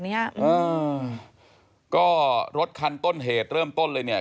เนี้ยอ่าก็รถคันต้นเหตุเริ่มต้นเลยเนี่ย